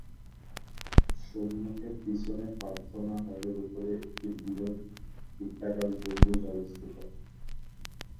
সম্মুখের পিছনে প্রার্থনা হলের উপরে একটি বৃহত বৃত্তাকার গম্বুজ অবস্থিত।